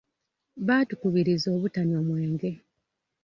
Baatukubiriza obutanywa mwenge.